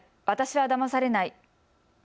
私はだまされない。